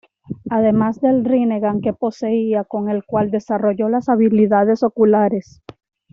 Además del Rinnegan que poseía con el cual desarrolló las habilidades oculares.